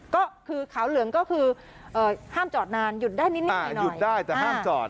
ก็คือขาวเหลืองก็คือห้ามจอดนานหยุดได้นิดหน่อยหยุดได้แต่ห้ามจอด